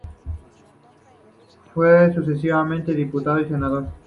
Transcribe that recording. Fue sucesivamente Diputado y Senador.